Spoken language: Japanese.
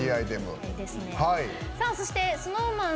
そしてＳｎｏｗＭａｎ